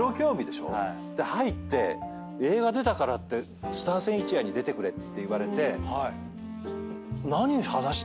入って映画出たからって『スター千一夜』に出てくれって言われて。